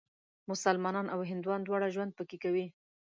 مسلمانان او هندوان دواړه ژوند پکې کوي.